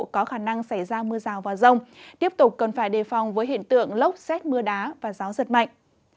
có khả năng xảy ra mưa rào và rông tiếp tục cần phải đề phòng với hiện tượng lốc xét mưa đá và gió giật mạnh